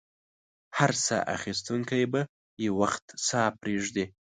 هر ساه اخیستونکی به یو وخت ساه پرېږدي.